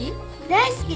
大好き！